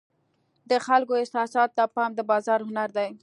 د خلکو احساساتو ته پام د بازار هنر دی.